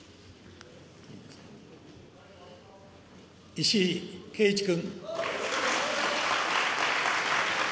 石井啓一君。